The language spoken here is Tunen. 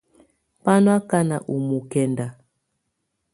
Bá nɔ ákana ɔ mɔkɛnda.